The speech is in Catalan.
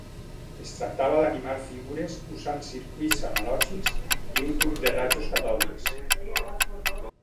Es tractava d'animar figures usant circuits analògics i un tub de rajos catòdics.